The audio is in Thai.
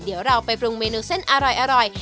เดี๋ยวเราไปปรุงเมนูเส้นอร่อย